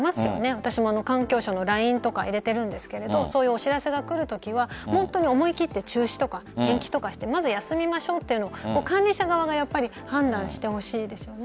今年も環境省のＬＩＮＥとか入れているんですがそういうお知らせが来るときは思い切って中止とか延期とかにして休みましょうという管理者側が判断してほしいですよね。